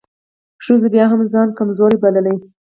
ښځو بيا هم ځان کمزورۍ بلل .